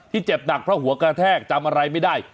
เจ็บหนักเพราะหัวกระแทกจำอะไรไม่ได้